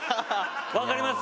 わかります。